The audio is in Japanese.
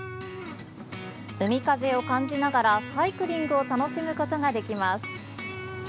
海風を感じながらサイクリングを楽しむことができます。